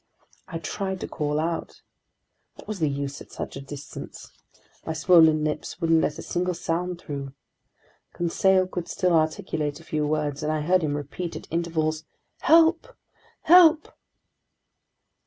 I tried to call out. What was the use at such a distance! My swollen lips wouldn't let a single sound through. Conseil could still articulate a few words, and I heard him repeat at intervals: "Help! Help!"